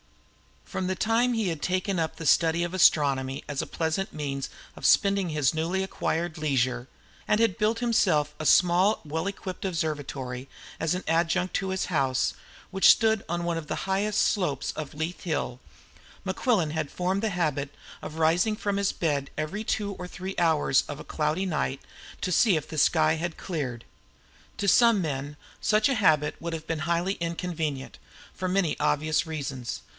From the time that he had taken up the study of astronomy as a pleasant means of spending his newly acquired leisure, and had built himself a small but well equipped observatory as an adjunct to his house, which stood on one of the highest slopes of Leith Hill, Mequillen had formed the habit of rising from his bed every two or three hours of a cloudy night to see if the sky had cleared. To some men such a habit would have been highly inconvenient, for many obvious reasons.